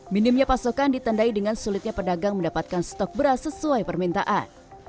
minimnya pasokan ditandai dengan sulitnya pedagang mendapatkan stok beras sesuai permintaan